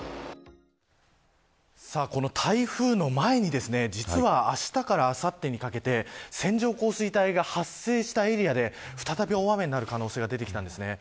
この台風の前に実はあしたからあさってにかけて線状降水帯が発生したエリアで再び大雨になる可能性が出てきました。